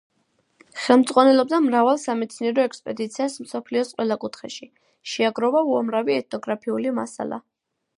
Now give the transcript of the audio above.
ხელმძღვანელობდა მრავალ სამეცნიერო ექსპედიციას მსოფლიოს ყველა კუთხეში, შეაგროვა უამრავი ეთნოგრაფიული მასალა.